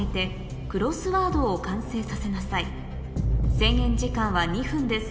制限時間は２分です